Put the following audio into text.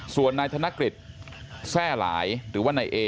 ส่วนนายธนคริตรัวแหล่หลายหรือว่านายเอ๋